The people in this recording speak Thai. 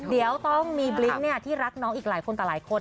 เดี๋ยวต้องมีบลิ้งที่รักน้องอีกหลายคนต่อหลายคน